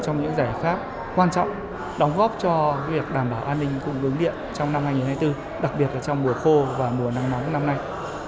trong những giải pháp quan trọng đóng góp cho việc đảm bảo an ninh cung ứng điện trong năm hai nghìn hai mươi bốn đặc biệt là trong mùa khô và mùa nắng nóng năm nay